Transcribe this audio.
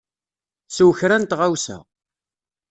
Sew kra n tɣawsa.